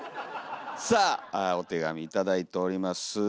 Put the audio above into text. さあお手紙頂いております。